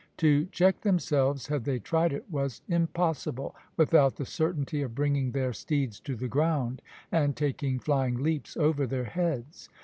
To check themselves had they tried it was impossible, without the certainty of bringing their steeds to the ground, and taking flying leaps over their heads.